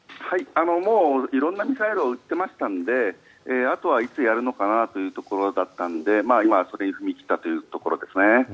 もう色んなミサイルを撃ってましたのであとはいつやるのかなというところだったので今、それに踏み切ったというところですね。